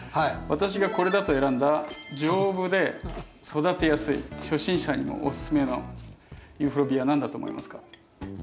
私がこれだと選んだ丈夫で育てやすい初心者にもおススメのユーフォルビア何だと思いますか？